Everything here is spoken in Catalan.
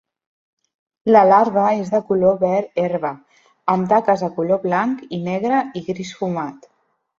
La larva és de color verd herba, amb taques de color blanc i negre i gris fumat.